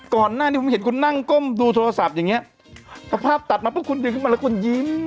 ก่อนหน้านี้ผมเห็นคุณนั่งก้มดูโทรศัพท์อย่างเงี้ยสภาพตัดมาปุ๊บคุณดึงขึ้นมาแล้วคุณยิ้ม